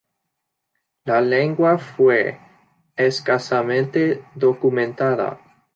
La lengua fue escasamente documentada.